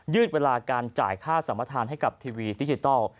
เวลาการจ่ายค่าสัมประธานให้กับทีวีดิจิทัล